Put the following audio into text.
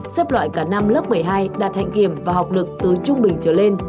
xếp loại cả năm lớp một mươi hai đạt hạnh kiểm và học lực từ trung bình trở lên